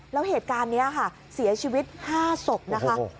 แล้วเหตุการณ์นี้ค่ะเสียชีวิต๕ศพนะคะ